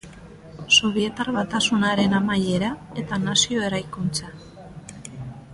Sobietar Batasunaren amaiera eta nazio eraikuntza.